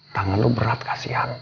tangan lo berat kasihan